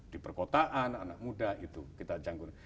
di perkotaan anak muda itu kita janggun